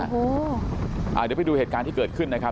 เดี๋ยวไปดูเหตุการณ์ที่เกิดขึ้นนะครับ